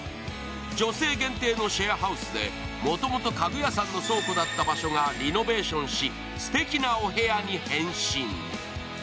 女性限定のシェアハウスでもともと家具屋さんの倉庫だった場所がリノベーションし、すてきなお部屋に変身。